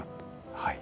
はい。